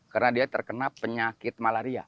karena dia terkena penyakit malaria